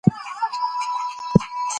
قوم یې اتحاد ته راوباله